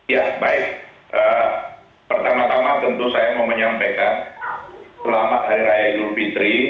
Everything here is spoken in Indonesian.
ya baik pertama tama tentu saya mau menyampaikan selamat hari raya idul fitri